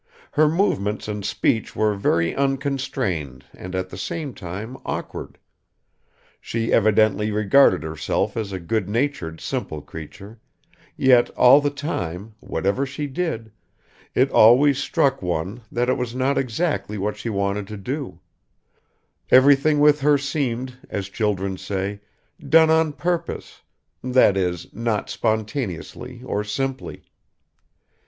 Her movements and speech were very unconstrained and at the same time awkward; she evidently regarded herself as a good natured simple creature, yet all the time, whatever she did, it always struck one that it was not exactly what she wanted to do; everything with her seemed, as children say, done on purpose, that is, not spontaneously or simply.